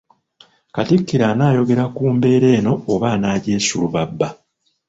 Katikkiro anaayogera ku mbeera eno oba anaagyesulubabba?